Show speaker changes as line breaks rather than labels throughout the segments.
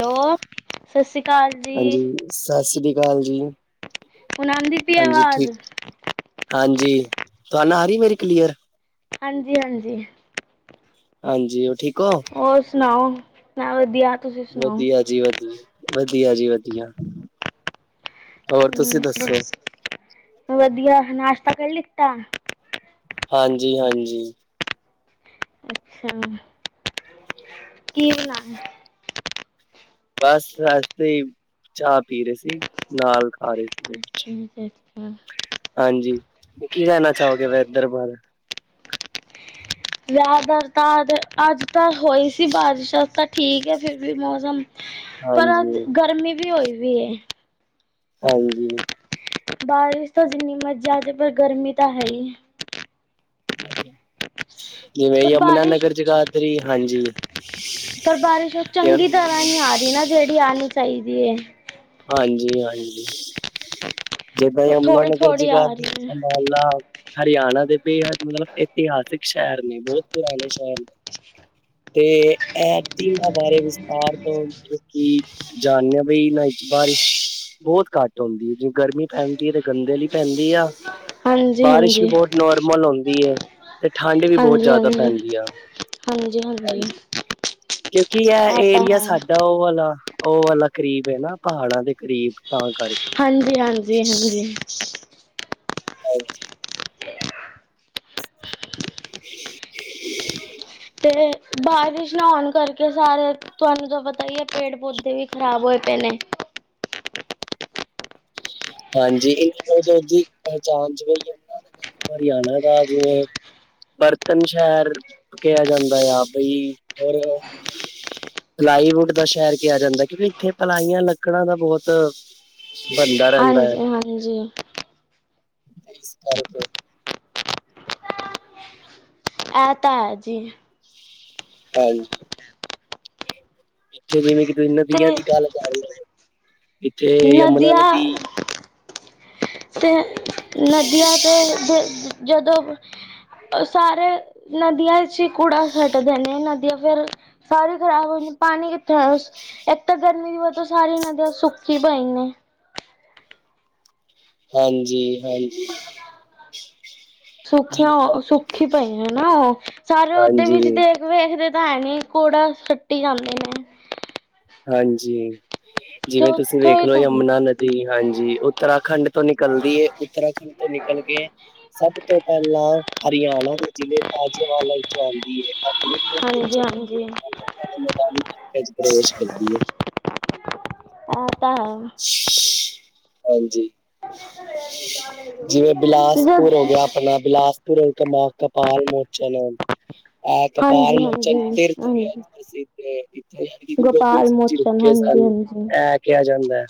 Hello ਸਤਿ ਸ਼੍ਰੀ ਅਕਾਲ
ਹਾਂਜੀ
ਜੀ।
ਸਤਿ ਸ੍ਰੀ ਅਕਾਲ ਜੀ
ਹੁਣ ਆਂਦੀ ਪਈ
ਹਾਂਜੀ
ਆਵਾਜ਼
ਠੀਕ। ਹਾਂਜੀ ਤੁਹਾਨੂੰ ਆ ਰਹੀ ਮੇਰੀ ਕਲੀਅਰ।
ਹਾਂਜੀ ਹਾਂਜੀ।
ਹਾਂਜੀ ਉਹ ਠੀਕ ਹੋ
ਹੋਰ ਸੁਣਾਓ ਮੈਂ ਵਧੀਆ ਤੁਸੀਂ ਸੁਣਾਓ।
ਹਾਂਜੀ ਵਧੀ ਵਧੀਆ ਜੀ ਵਧੀਆ। ਹੋਰ
ਹੂੰ,
ਤੁਸੀਂ ਦੱਸੋ
ਵਧੀਆ ਨਾਸ਼ਤਾ ਕਰ ਲਿੱਤਾ।
ਹਾਂਜੀ ਹਾਂਜੀ,
ਅੱਛਾ ਕੀ ਬਣਾ
ਬਸ ਐਸੇ ਹੀ ਚਾਹ ਪੀ ਰਹੇ ਸੀ ਨਾਲ
ਅੱਛਾ ਅੱਛਾ
ਹਾਂਜੀ, ਕੀ ਕਹਿਣਾ ਚਾਹੋਗੇ ਇਧਰ ਬਾਹਰ
ਜ਼ਿਆਦਾਤਰ ਤਾਂ ਅੱਜ ਤਾਂ ਹੋਈ ਸੀ ਬਾਰਿਸ਼ ਤਾਂ ਠੀਕ ਐ ਫਿਰ ਵੀ ਮੌਸਮ। ਪਰ ਅੱਜ
ਹਾਂਜੀ
ਗਰਮੀ ਵੀ ਹੋਈ ਪਈਏ।
ਹਾਂਜੀ,
ਬਾਰਿਸ਼ ਤਾਂ ਜਿੰਨੀ ਮਰਜ਼ੀ ਆਜੇ ਪਰ ਗਰਮੀ ਤਾਂ ਹੈ ਹੀ
ਜਿਵੇਂ
ਪਰ
ਯਮੁਨਾ
ਬਾਰਿਸ਼
ਨਗਰ, ਜਗਾਦਰੀ ਹਾਂਜੀ।
ਬਾਰਿਸ਼ ਉਹ ਚੰਗੀ ਤਰ੍ਹਾਂ ਨਹੀਂ
ਹਾਂਜੀ
ਆ ਰਹੀ ਨਾ ਜਿਹੜੀ ਆਣੀ ਚਾਹੀਦੀ ਐ।
ਹਾਂਜੀ-ਹਾਂਜੀ,
ਉਹ
ਯਮੁਨਾ
ਥੋੜ੍ਹੀ
ਨਗਰ,
ਥੋੜ੍ਹੀ ਆ
ਜਗਾਦਰੀ,
ਰਹੀ ਹੈ।
ਅੰਬਾਲਾ। ਹਰਿਆਣਾ ਦੇ ਬੇਹੱਦ ਮਤਲਬ ਇਤਿਹਾਸਿਕ ਸ਼ਹਿਰ ਨੇ ਬਹੁਤ ਪੁਰਾਣੇ ਸ਼ਹਿਰ ਨੇ। ਤੇ ਐ ਧੀਆਂ ਬਾਰੇ ਵਿਸਥਾਰ ਤੋਂ ਜਾਣਿਆ ਬਈ [unintelligible] ਬਾਰਿਸ਼ ਬਹੁਤ ਘੱਟ ਹੁੰਦੀ ਐ ਜਿਵੇ ਗਰਮੀ ਪੈਂਦੀ ਐ ਤੇ ਗੰਦੇ ਲੀ ਪੈਂਦੀ ਆ।
ਹਾਂਜੀ
ਬਾਰਿਸ਼ ਵੀ
ਹਾਂਜੀ
ਬਹੁਤ ਨੋਰਮਲ ਆਉਂਦੀ ਐ ਤੇ। ਠੰਡ ਵੀ ਬਹੁਤ
ਹਾਂਜੀ
ਜ਼ਿਆਦਾ
ਹਾਂਜੀ
ਪੈਂਦੀ ਆ ਹਾਂਜੀ। ਕਿਉਂਕਿ ਇਹ
ਤਾਂ
ਏਰੀਆ
ਹੈ।
ਸਾਡਾ ਉਹ ਵਾਲਾ ਉਹ ਵਾਲਾ ਕਰੀਬ ਐ ਨਾ ਪਹਾੜਾਂ ਦੇ ਕਰੀਬ। ਤਾਂ ਕਰਕੇ
ਹਾਂਜੀ [unintelligible]
ਹਾਂਜੀ, [unintelligible]
ਤੇ ਬਾਰਿਸ਼ ਨਾ ਆਉਣ ਕਰਕੇ ਸਾਰੇ ਤੁਹਾਨੂੰ ਤਾਂ ਪਤਾ ਈ ਐ ਪੇੜ ਪੌਦੇ ਵੀ ਖ਼ਰਾਬ ਹੋਏ ਪਏ ਨੇ।
ਹਾਂਜੀ, [unintelligible] ਦੀ ਪਹਿਚਾਣ [unintelligible] ਆ ਉਹਨਾਂ ਹਰਿਆਣਾ ਦਾ ਜਿਵੇਂ। ਬਰਤਨ ਸ਼ਹਿਰ ਕਿਹਾ ਜਾਂਦਾ ਆ ਬਈ ਹੋਰ। ਪਲਾਈਵੁੱਡ ਦਾ ਸ਼ਹਿਰ ਕਿਹਾ ਜਾਂਦਾ ਕਿਉਂਕਿ ਇੱਥੇ ਪਲਾਈਆਂ ਲੱਕੜਾਂ ਦਾ ਬਹੁਤ ਬੰਦਾ ਰਹਿੰਦਾ ਐ
ਹਾਂਜੀ ਹਾਂਜੀ
ਇਸ ਕਰਕੇ
ਇਹ ਤਾਂ ਹੈ ਜੀ।
ਹਾਂਜੀ ਇੱਥੇ ਜਿਵੇਂ ਕਿ ਤੁਸੀਂ ਨਦੀਆਂ
ਤੇ
ਦੀ ਗੱਲ ਕਰ ਲਓ ਇੱਥੇ ਯਮੁਨਾ
ਨਦੀਆਂ
ਨਦੀ
ਤੇ ਨਦੀਆਂ ਤੇ ਜਦੋਂ ਸਾਰੇ ਨਦੀਆਂ ਚ ਹੀ ਕੂੜਾ ਸੱਟਦੇ ਨੇ ਨਦੀਆਂ ਫਿਰ। ਸਾਰੇ ਖ਼ਰਾਬ ਹੋ ਜਾਂਦੀ ਪਾਣੀ ਕਿੱਥੇ ਉਸ ਇੱਕ ਤਾਂ ਗਰਮੀ ਦੀ ਵਰਤੋਂ ਸਾਰੀ ਨਦੀਆਂ ਸੁੱਕੀ ਪਈ ਨੇ।
ਹਾਂਜੀ ਹਾਂਜੀ, ਜਿਵੇਂ
ਸੁਖੀਆਂ
ਯਮੁਨਾ
ਸੁਖੀ
ਨਦੀ
ਪਈਆਂ ਹਨਾ ਉਹ ਸਾਰੇ ਉਹਦੇ ਵਿੱਚ
ਹਾਂਜੀ
ਤੇ ਵੇਖਦੇ ਤਾਂ ਹੈ ਨੀ ਕੂੜਾ ਸੱਟੀ ਜਾਂਦੇ ਨੇ।
ਹਾਂਜੀ,
ਤੇ
ਜਿਵੇਂ ਤੁਸੀਂ
ਉੱਥੋਂ ਹੀ
ਵੇਖਲੋ
ਤਾਂ
ਯਮੁਨਾ ਨਦੀ। ਜੀ ਹਾਂਜੀ, ਉੱਤਰਾਖੰਡ ਤੋਂ ਨਿਕਲਦੀ ਐ ਉੱਤਰਾਖੰਡ ਤੋਂ ਨਿਕਲ ਕੇ ਸਭ ਤੋਂ ਪਹਿਲਾਂ ਹਰਿਆਣਾ ਦੇ ਜ਼ਿਲ੍ਹੇ ਤਾਜੇਵਾਲ ਵਿੱਚੋਂ ਆਉਂਦੀ ਹੈ।
ਹਾਂਜੀ ਹਾਂਜੀ
ਮੈਦਾਨੀ ਇਲਾਕੇ ਚ ਪ੍ਰਵੇਸ਼
ਇਹ ਤਾਂ ਹੈ।
ਹਾਂਜੀ ਜਿਵੇਂ
ਜਦ
ਬਿਲਾਸਪੁਰ ਹੋ ਗਿਆ ਆਪਣਾ ਬਿਲਾਸ [inaudible] ਅਹ
ਹਾਂਜੀ
ਕਪਾਲ ਮੋਰਚਾ
ਹਾਂਜੀ
ਤੀਰਥ
ਹਾਂਜੀ
ਪ੍ਰਸਿੱਧ ਇੱਥੇ ਯਣੀ ਕਿ ਗੁਰੂ ਗੋਬਿੰਦ ਬਿੰਦ
ਗੋਪਾਲ
ਸਿੰਘ ਜੀ
ਮੋਚਨ
ਰੁਕੇ
ਹਾਂਜੀ
ਸਨ
ਹਾਂਜੀ।
ਐ ਕਿਹਾ ਜਾਂਦਾ ਹੈ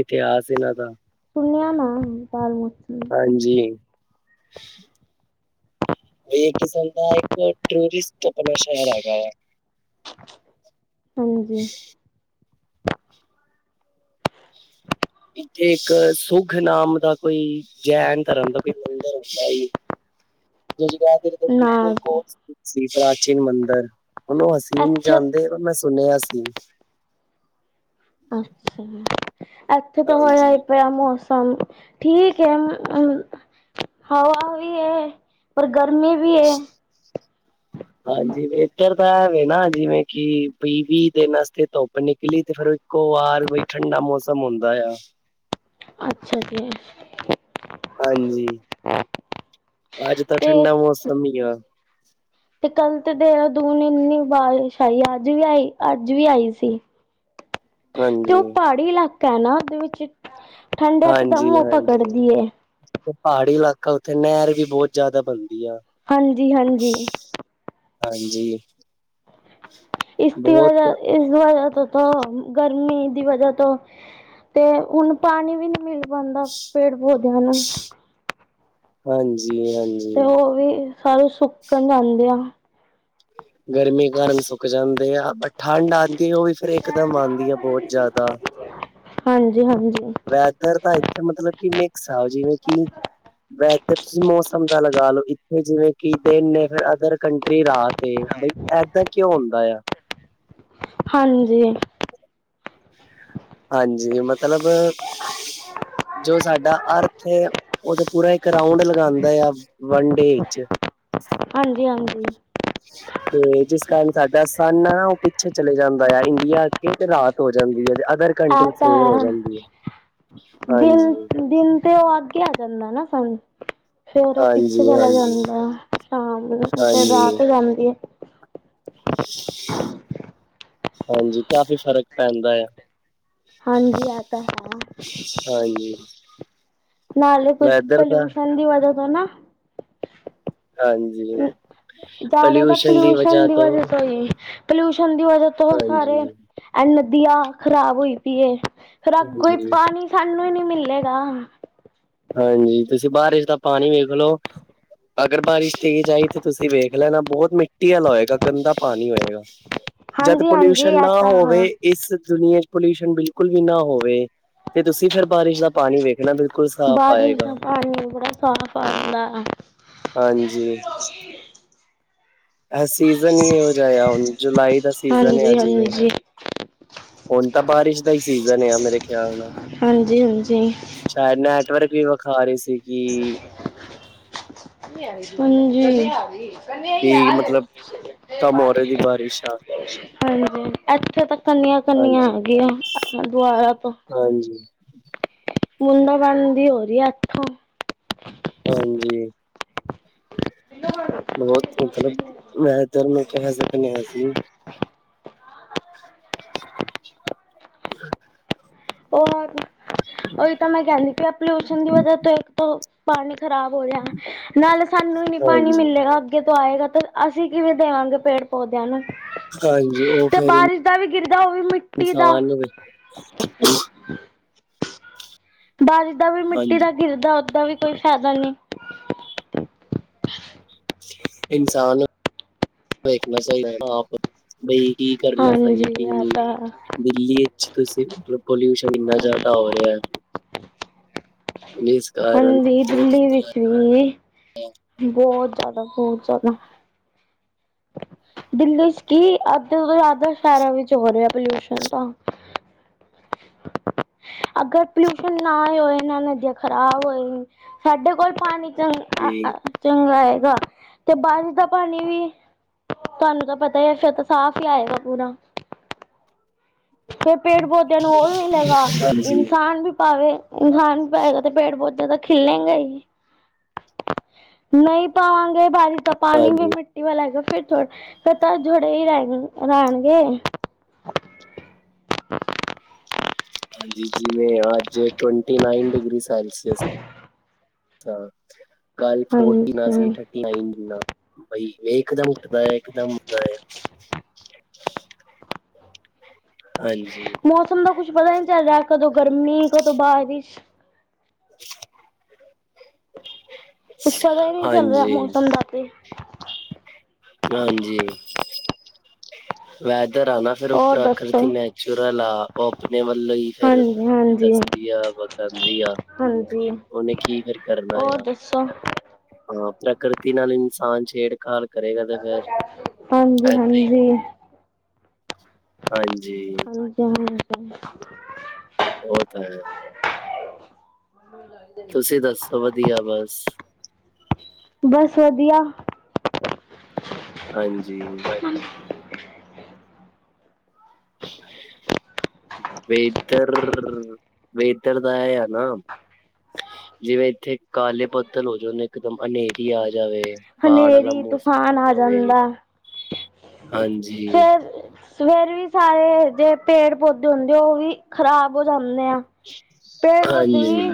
ਇਤਿਹਾਸ ਇਹਨਾਂ ਦਾ
ਸੁਨਆ ਨਾ ਪਾਲ ਮੁੁਰਚ
ਹਾਂਜੀ ਹਮ ਵੀ ਇਹ ਕਿਸਮ ਦਾ ਇੱਕ ਟੂਰਿਸਟ ਆਪਣਾ ਸ਼ਹਿਰ ਹੈਗਾ ਹੈ
ਹਾਂਜੀ [inaudible]
ਇੱਥੇ ਇੱਕ ਸੁਗ ਨਾਮ ਦਾ ਕੋਈ ਜੈਨ ਧਰਮ ਦਾ ਕੋਈ ਮੰਦਿਰਦਾ [inaudible]
ਨਾ ਜੀ
ਸੀ ਪ੍ਰਾਚੀਨ ਮੰਦਿਰ ਉਹਨੂੰ ਹਸੀਨ
ਇੱਥੇ
ਜਾਂਦੇ ਪਰ ਮੈਂ ਸੁਣਿਆ ਸੀ
ਅੱਛਾ ਇੱਥੇ ਤਾਂ
ਹਾਂਜੀ।
ਹੋਇਆ ਪਿਆ ਠੀਕ ਹੈ ਹਵਾ ਵੀ ਹੈ ਪਰ ਗਰਮੀ ਵੀ ਹੈ
[inaudible]
[inaudible]
ਹਾਂਜੀ ਇਧਰ ਤਾਂ ਹੈਵੇ ਨਾ ਜਿਵੇਂ ਕਿ ਵੀਹ ਵੀਹ ਦਿਨ ਵਸਤੇ ਧੁੱਪ ਨਿਕਲੀ ਤੇ ਫੇਰ ਵਾਰ ਬਈ ਠੰਡਾ ਮੌਸਮ ਹੁੰਦਾ ਆ
ਅੱਛਾ ਜੀ
ਹਾਂਜੀ ਅੱਜ ਤਾਂ
ਤੇ
ਠੰਡਾ ਮੌਸਮ ਹੀ ਆ
ਤੇ ਕੱਲ੍ਹ ਤੇ ਦੇਰਾ ਦੂਨ ਇੰਨੀ ਬਾਰਿਸ਼ ਆਈ ਅੱਜ ਵੀ ਆਈ ਅੱਜ ਵੀ ਆਈ ਸੀ ਤੇ ਉਹ
ਹਾਂਜੀ,
ਪਹਾੜੀ ਇਲਾਕਾ ਹੈ ਨਾ ਉਹਦੇ ਵਿੱਚ ਠੰਡ ਇਕਦਮ
ਹਾਂਜੀ, ਹਾਂਜੀ।
ਪਕੜਦੀ
ਪਹਾੜੀ ਇਲਾਕਾ ਉੱਥੇ ਨਹਿਰ ਵੀ ਬਹੁਤ ਜਿਆਦਾ ਬਣਦੀ ਆ
ਹਾਂਜੀ ਹਾਂਜੀ
ਹਾਂਜੀ
ਇਸਦੀ
ਬਹੁਤ
ਵਜਾ ਇਸ ਵਜ੍ਹਾ ਤੋਂ ਗਰਮੀ ਦੀ ਵਜ੍ਹਾ ਤੋਂ ਤੇ ਹੁਣ ਪਾਣੀ ਵੀ ਨਹੀਂ ਮਿਲ ਪਾਉਂਦਾ ਪੇੜ ਪੌਦਿਆਂ ਨੂੰ
ਹਾਂਜੀ ਹਾਂਜੀ
ਤੇ ਉਹ ਵੀ ਸਾਰੇ ਸੁੱਕਣ ਜਾਂਉਂਦੇ ਆ
ਗਰਮੀ ਕਾਰਨ ਸੁੱਕ ਜਾਂਦੇ ਆ ਪਰ ਠੰਡ ਆਉਂਦੀ ਉਹ ਵੀ ਫੇਿਰ ਇਕਦਮ ਆਉਂਦੀ ਆ ਬਹੁਤ ਜ਼ਿਆਦਾ
ਹਾਂਜੀ ਹਾਂਜੀ
ਵੈਦਰ ਤਾਂ ਇੱਥੇ ਮਤਲਬ ਕਿ ਮਿਕਸ ਆ ਜਿਵੇਂ ਕਿ ਵੈ ਮੌਸਮ ਦਾ ਲਗਾ ਲੋ ਇੱਥੇ ਜਿਵੇਂ ਕਿ ਦਿਨ ਨੇ ਫ ਅਦਰ ਕੰਟਰੀ ਰਾਹ ਤੇ ਬਈ ਇਹਦਾਂ ਕਿਉਂ ਹੁੰਦਾ ਆ
ਹਾਂਜੀ,
ਹਾਂਜੀ, ਮਤਲਬ ਜੋ ਸਾਡਾ ਅਰਥ ਐ। ਉਹ ਤਾਂ ਪੂਰਾ ਇੱਕ ਰਾਊਂਡ ਲਗਾਉਂਦਾ ਆ ਵਨ ਡੇ ਵਿੱਚ
ਹਾਂਜੀ ਹਾਂਜੀ
ਤੇ ਜਿਸ ਕਾਰਨ ਸਾਡਾ ਸੰਨ ਆ ਉਹ ਪਿੱਛੇ ਚਲੇ ਜਾਂਦਾ ਆ ਇੰਡੀਆ ਅਗੇ ਤੇ ਰਾਤ ਹੋ ਜਾਂਦੀ ਆ ਤੇ ਅਦਰ
ਆ
ਕੰਟਰੀ ਸਵੇਰ ਹੋ
ਤਾਂ
ਜਾਂਦੀ ਹੈ ਹਾਂਜੀ
ਦਿਨ ਦਿਨ ਤੇ ਉਹ ਕਿਹਾ ਆ ਜਾਂਦਾ ਨਾ ਸਾਨੂੰ ਫੇਰ ਉਹ ਪਿੱਛੇ
ਹਾਂਜੀ
ਚਲਾ
ਹਾਂਜੀ
ਜਾਂਦਾ ਸ਼ਾਮ ਫੇਰ
ਹਾਂਜੀ
ਰਾਤ ਜਾਂਦੀ ਆ
ਹਾਂਜੀ ਕਾਫੀ ਫ਼ਰਕ ਪੈਂਦਾ ਆ
ਹਾਂਜੀ ਆ ਤਾਂ ਹੈ
ਹਾਂਜੀ,
ਨਾਲੇ ਕੁਝ
ਵੈਦਰ ਦਾ
ਪੋਲਿਊਸ਼ਨ ਦੀ ਵਜ੍ਹਾ ਤੋਂ ਨਾ।
ਹਾਂਜੀ,
ਜ਼ਿਆਦਾ ਤਾਂ ਪੋਲਿਊਸ਼ਨ ਦੀ ਵਜ੍ਹਾ ਤੋਂ ਹੀ ਪੋਲਿਊਸ਼ਨ ਦੀ ਵਜ੍ਹਾ ਤੋਂ
ਹਾਂਜੀ
ਸਾਰੇ ਐ ਨਦੀਆਂ ਖ਼ਰਾਬ ਹੋਈ ਪਈ ਫਿਰ ਅੱਗੋਂ
ਹਾਂਜੀ
ਪਾਣੀ ਸਾਨੂੰ ਹੀ ਨੀ ਮਿਲੇਗਾ।
ਹਾਂਜੀ, ਤੁਸੀਂ ਬਾਰਿਸ਼ ਦਾ ਪਾਣੀ ਵੇਖਲੋ। ਅਗਰ ਬਾਰਿਸ਼ ਤੇਜ਼ ਆਈ ਤੇ ਤੁਸੀਂ ਵੇਖ ਲੈਣਾ ਬਹੁਤ ਮਿੱਟੀ ਵਾਲਾ ਹੋਏਗਾ ਗੰਦਾ ਪਾਣੀ ਹੋਏਗਾ।
[unintelligible]
ਜਦ
ਹਾਂਜੀ
ਪੋਲਿਊਸ਼ਨ
ਇਹ
ਨਾ
ਤਾਂ
ਹੋਵੇ।
ਹੈ।
ਇਸ ਦੁਨੀਆਂ ਚ ਪੋਲਿਊਸ਼ਨ ਬਿਲਕੁਲ ਵੀ ਨਾ ਹੋਵੇ ਤੇ ਤੁਸੀਂ ਫੇਰ ਬਾਰਿਸ਼ ਦਾ ਪਾਣੀ ਵੇਖਣਾ ਬਿਲਕੁਲ ਸਾਫ਼
ਬਾਰਿਸ਼
ਆਏਗਾ
ਦਾ ਪਾਣੀ ਬੜਾ ਸਾਫ਼ ਆਂਦਾ।
ਹਾਂਜੀ, ਇਹ ਸੀਜਨ ਈ ਇਹੋ ਜਾ ਹੁਣ ਜੁਲਾਈ ਦਾ ਸੀਜਨ ਆ
ਹਾਂਜੀ
ਜਿਵੇਂ
ਹਾਂਜੀ ਹਾਂਜੀ
ਹੁਣ ਤਾਂ ਬਾਰਿਸ਼ ਦਾ ਹੀ ਸੀਜਨ ਆ ਮੇਰੇ ਖਿਆਲ ਨਾਲ
ਹਾਂਜੀ ਹਾਂਜੀ।
ਸ਼ਾਇਦ ਨੈਟਵਰਕ ਵੀ ਵਿਖਾ ਰਹੀ ਸੀਗੀ।
ਹਾਂਜੀ, ਨਹੀਂ,
ਕਿ ਮਤਲਬ ਟਮੋਰੇ ਦੀ ਬਾਰਿਸ਼ ਆ
ਹਾਂਜੀ, ਇੱਥੇ ਤਾਂ ਕੰਨੀਆਂ ਕੰਨੀਆਂ
ਹਾਂਜੀ
ਹੈਗੀਆਂ ਆਪਣਾ ਦੁਆਰਾ ਤੋਂ।
ਹਾਂਜੀ,
ਬੂੰਦਾਂ ਬਣਣ ਦੀ ਹੋ ਰੀ ਆ ਇਥੋਂ
ਹਾਂਜੀ,
[unintelligible]
ਬਹੁਤ ਮਤਲਬ ਮੈਂ ਇੱਧਰ ਨੂੰ ਕਹਿ ਸਕਦੇ ਆ ਸੀ।
[unintelligible]
[unintelligible]
ਉਹ ਹੀ ਤਾਂ ਮੈਂ ਕਹਿਣੀ ਪਈ ਪੋਲਊਸ਼ਨ ਦੀ ਵਜਾ ਤੋਂ ਇੱਕ ਪਾਣੀ ਖ਼ਰਾਬ ਹੋ ਰਿਹਾ ਨਾਲ ਸਾਨੂੰ ਹੀ ਨੀ ਪਾਣੀ
ਹਾਂਜੀ
ਮਿਲੇਗਾ ਅੱਗੇ ਤੋਂ ਆਏਗਾ ਤਾਂ। ਅਸੀਂ ਕਿਵੇਂ ਦੇਵਾਂਗੇ ਪੇੜ ਪੌਦਿਆਂ ਨੂੰ
ਹਾਂਜੀ ਉਹ
ਤੇ
ਫਿਰ
ਬਾਰਿਸ਼ ਦਾ ਵੀ ਗਿਰਦਾ ਉਹਵੇ ਮਿੱਟੀ ਦਾ।
[unintelligible] ਹੂੰ,
ਹਾਂ, ਬਾਰਿਸ਼ ਦਾ ਵੀ ਮਿੱਟੀ ਦਾ
ਹਾਂਜੀ
ਗਿਰਦਾ ਉਦਾਂ ਵੀ ਕੋਈ ਫਾਇਦਾ ਨਹੀਂ।
ਇਨਸਾਨ ਦੇਖਣਾ ਚਾਹੀਦਾ ਨਾ ਆਪ ਬਈ ਕੀ ਕਰਨਾ ਸਹੀ
ਹਾਂਜੀ
ਕੀ
ਆ
ਨਹੀਂ।
ਤਾਂ
ਦਿੱਲੀ ਵਿੱਚ ਤੁਸੀਂ ਪੋਲਿਊਸ਼ਨ ਇੰਨਾ
ਹਾਂਜੀ
ਜ਼ਿਆਦਾ ਹੋ ਰਿਹਾ। [inaudible]
ਹਾਂਜੀ,
ਤੇ
ਦਿੱਲੀ ਵਿੱਚ ਵੀ ਬਹੁਤ ਜ਼ਿਆਦਾ ਬਹੁਤ ਜ਼ਿਆਦਾ। ਦਿੱਲੀ ਚ ਕੀ ਅੱਧੇ ਤੋਂ ਜ਼ਿਆਦਾ ਸ਼ਹਿਰਾਂ ਵਿੱਚ ਹੋ ਰਿਹਾ ਪੋਲਿਊਸ਼ਨ ਤਾਂ। [inaudible] ਅਗਰ ਪਲਿਊਸ਼ਨ ਨਾ ਹੋਏ, ਨਾ ਨਦੀਆਂ ਖ਼ਰਾਬ ਹੋਏ, ਸਾਡੇ ਕੋਲ ਪਾਣੀ ਚੰ ਆ ਚੰਗਾ ਹੈਗਾ ਤੇ ਬਾਰਿਸ਼ ਦਾ ਪਾਣੀ ਵੀ। ਤੁਹਾਨੂੰ ਤਾਂ ਪਤਾ ਹੀ ਫੇਰ ਤੇ ਸਾਫ਼ ਹੀ ਆਏਗਾ ਪੂਰਾ। ਫੇਰ ਪੇੜ ਪੌਦਿਆਂ ਨੂੰ ਉਹ ਵੀ ਮਿਲੇਗਾ
ਹਾਂਜੀ
ਇਨਸਾਨ ਵੀ ਪਾਵੇ। ਇਨਸਾਨ ਪਏਗਾ ਤੇ ਪੇੜ ਪੌਦੇ ਬਹੁਤ ਜ਼ਿਆਦਾ ਖਿਲੇਗੇ ਹੀ ਨਹੀਂ ਪਾਵਾਂਗੇ ਬਾਰਿਸ਼ ਦਾ ਪਾਣੀ ਵੀ
ਹਾਂਜੀ
ਮਿੱਟੀ। [unintelligible] ਫਿਰ ਤਾਂ ਥੋੜੇ ਹੀ ਰਹਿਣ ਰਹਿਣਗੇ। [inaudible] [inaudible]
ਹਾਂਜੀ, ਜਿਵੇਂ ਅੱਜ ਟਵਾਂਟੀ ਨਾਇਣ ਡਿਗਰੀ ਸੈਲਸੀਅਸ ਹਾਂ, ਕੱਲ ਫੋਰਟੀਨ ਆ [unintelligible] ਸੀ
ਹਾਂਜੀ
ਠ ਨਹੀਂ ਨਾ ਬਈ। ਇਕਦਮ ਉੱਠਦਾ ਹੈ, ਇਕਦਮ ਉੱਠਦਾ ਹੈ। ਹਾਂਜੀ।
ਮੌਸਮ ਦਾ ਕੁਛ ਪਤਾ ਈ ਨੀ ਚੱਲ ਰਿਹਾ। ਕਦੋਂ ਗਰਮੀ ਕਦੋਂ ਬਾਰਿਸ਼?
[inaudible]
ਕੁਛ ਪਤਾ ਹੀ ਨਹੀਂ ਚੱਲ ਰਿਹਾ
ਹਾਂਜੀ
ਮੌਸਮ ਦਾ ਤੇ।
ਹਾਂਜੀ, ਵੈਦਰ ਆ ਨਾ ਫਿਰ ਉਹ
ਹੋਰ ਦੱਸੋ
ਪ੍ਰਕਿਰਤੀ ਨੈਚੁਰਲ ਆ। ਓਹ ਆਪਣੇ ਵੱਲੋਂ ਹੀ ਫਿਰ
ਹਾਂਜੀ ਹਾਂਜੀ
ਦੱਸਦੀ ਆ, ਵਤਾਂਦੀ ਆ,
ਹਾਂਜੀ
ਉਹਨੇ ਕੀ ਫਿਰ ਕਰਨਾ
ਹੋਰ
ਆ।
ਦੱਸੋ
ਹਾਂ, ਪ੍ਰਕਿਰਤੀ ਨਾਲ ਇਨਸਾਨ ਛੇੜਖਾੜ ਕਰੇਗਾ ਤੇ ਫੇਰ?
ਹਾਂਜੀ
[unintelligible] ਹੀ
ਹਾਂਜੀ
ਹਾਂਜੀ।
[unintelligible]
ਉਹ ਤਾਂ ਹੈ। ਤੁਸੀ ਦੱਸੋ? ਵਧੀਆ, ਬਸ।
ਬਸ ਵਧੀਆ।
ਹਾਂਜੀ।
ਹੁਂ। [unintelligible]
ਵੇਤਰਰ, ਵੇਤਰ ਦਾ ਐ ਆ ਨਾ ਜਿਵੇਂ ਇੱਥੇ ਕਾਲੇ ਬੱਦਲ ਹੋ ਜਾਨ, ਇੱਕ ਦਮ ਅਨੇਰੀ ਆ ਜਾਵੇ ਬਾੜ ਵਾਲਾ ਮੌਸਮ
ਹਨੇਰੀ-ਤੂਫਾਨ
ਹੋ
ਆ
ਜਾਵੇ।
ਜਾਂਦਾ।
ਹਾਂਜੀ,
ਫੇਰ ਸਵੇਰ ਵੀ ਸਾਰੇ ਜਿ ਪੇੜ-ਪੌਦੇ ਹੁੰਦੇ, ਉਹ ਵੀ ਖ਼ਰਾਬ ਹੋ ਜਾਂਦੇ ਆ। ਪੇੜ
ਹਾਂਜੀ।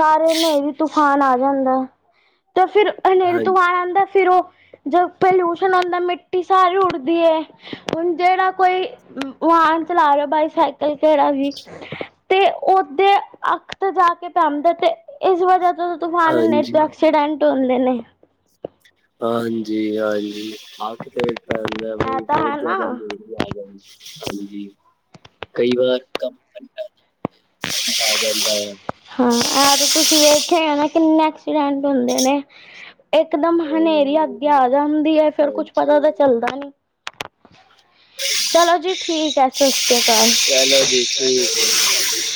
ਘਰ ਹਨੇਰੀ-ਤੂਫਾਨ ਆ ਜਾਂਦਾ। ਤੇ ਫੇਿਰ
ਹਾਂਜੀ,
ਹਨੇਰੀ-ਤੂਫਾਨ ਆਂਦਾ, ਫਿਰ ਉਹ ਜੋ ਪਲੂਸ਼ਨ ਹੁੰਦਾ ਐ ਮਿੱਟੀ ਸਾਰੀ ਉਡਦੀ ਹੈ। ਹੁਣ ਜੇਹੜਾ ਕੋਈ ਵਾਹਨ ਚਲਾ ਰਹੇ ਹੋ, ਬਾਈਸਾਈਕਲ ਕਿਹੜਾ ਵੀ- ਤੇ ਉਹਦੇ ਅੱਖ ਤੇ ਜਾ ਕੇ ਪੈਂਦਾ ਤੇ, ਇਸ ਵਜ੍ਹਾ ਤੋਂ ਤੂਫਾਨ ਏਨੇ ਤੋਂ
ਹਾਂਜੀ,
ਐਕਸੀਡੈਂਟ ਹੁੰਦੇ ਨੇ।
ਹਾਂਜੀ-ਹਾਂਜੀ, ਅੱਖ ਤੇ ਵੀ ਪੈਂਦਾ। ਬ
ਐ ਤਾਂ
ਬਹੁਤ
ਹੈ
ਜਿਆਦਾ
ਨਾ
ਹੀ, [unintelligible] ਹਾਂਜੀ। ਕਈ ਵਾਰ ਕਮ ਪੈੰਦਾ, [unintelligible] ਆ ਜਾਂਦਾਂ ਏ।
ਹਾਂ, ਆ ਤੇ ਤੁਸੀਂ ਵੇਖਿਆ ਹੀ ਹੈ ਨਾ, ਕਿੰਨੇ ਐਕਸੀਡੈਂਟ ਹੁੰਦੇ ਨੇ। ਇਕ ਦਮ ਹਨੇਰੀ ਅੱਗੇ
ਹਾਂਜੀ,
ਆ ਜਾਂਦੀ ਹੈ ਫੇਿਰ ਕੁੱਛ
ਹਾਂਜੀ
ਪਤਾ ਤਾਂ ਚੱਲਦਾ ਨੀ। ਚਲੋ ਜੀ ਠੀਕ ਆ। ਸਤਿ ਸ੍ਰੀ ਅਕਾਲ।
ਚਲੋ ਜੀ ਹੈ।
ਠੀਕ ਹੇ।